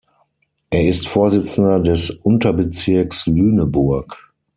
Er ist Vorsitzender des Unterbezirks Lüneburg.